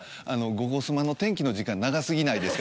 「『ゴゴスマ』の天気の時間長すぎないですか」